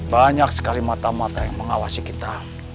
banyak sekali mata mata yang mengawasi kita